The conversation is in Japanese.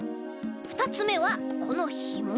ふたつめはこのひも。